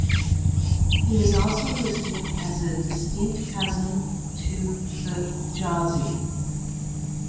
He is also listed as a distinct cousin to Thjazi.